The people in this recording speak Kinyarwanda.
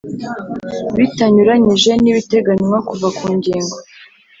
Bitanyuranyije n ibiteganywa kuva ku ngingo